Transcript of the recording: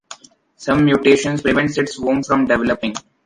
Some mutations prevent its womb from developing.